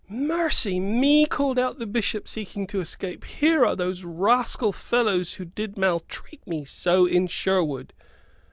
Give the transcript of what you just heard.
"Mercy me!" called out the Bishop, seeking to escape, "here are those rascal fellows who did maltreat me so in Sherwood."